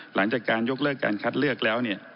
หลังจากการยกเลิกการคัดเลือกแล้วเนี่ย